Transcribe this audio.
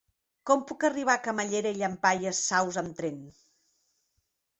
Com puc arribar a Camallera i Llampaies Saus amb tren?